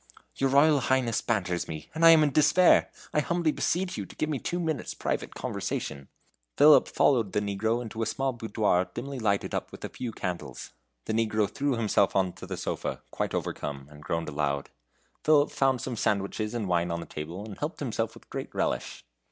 "Your Royal Highness banters me, and I am in despair! I humbly beseech you to give me two minutes' private conversation." Philip followed the negro into a small boudoir dimly lighted up with a few candles. The negro threw himself on a sofa, quite overcome, and groaned aloud. Philip found some sandwiches and wine on the table, and helped himself with great relish.